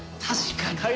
確かに。